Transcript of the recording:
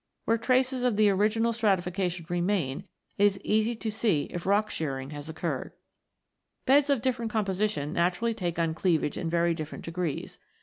Where traces of the original strati fication remain, it is easy to see if rock shearing has occurred. Beds of different composition naturally take on cleavage in very different degrees.